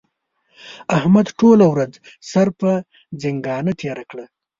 احمد ټوله ورځ سر پر ځنګانه تېره کړه.